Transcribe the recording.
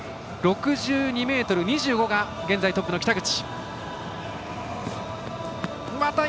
６２ｍ２５が現在トップの北口。